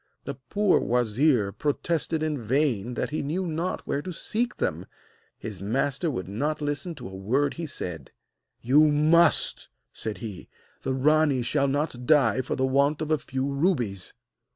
The poor wazir protested in vain that he knew not where to seek them; his master would not listen to a word he said. 'You must,' said he; 'the rani shall not die for the want of a few rubies!